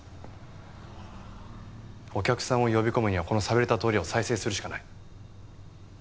お客さんを呼び込むにはこの寂れた通りを再生するしかない。